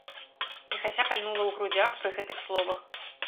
Міхася кальнула ў грудзях пры гэтых словах.